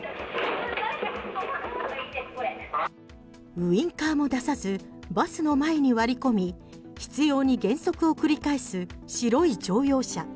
ウインカーも出さずバスの前に割り込み執ように減速を繰り返す白い乗用車。